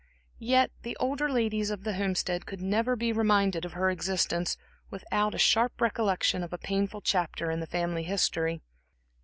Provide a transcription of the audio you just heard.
Yet the older ladies of the Homestead could never be reminded of her existence without a sharp recollection of a painful chapter in the family history.